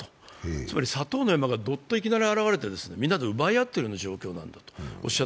つまり砂糖の山がどっと現れてみんなで奪い合っているような状況だと。